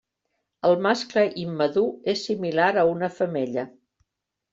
El mascle immadur és similar a una femella.